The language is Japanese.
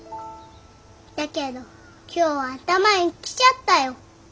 だけど今日は頭に来ちゃったよ。